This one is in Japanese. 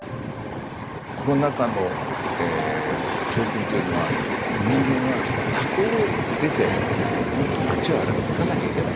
コロナ禍の教訓というのは人間はハコを出てもっと街を歩かなきゃいけない。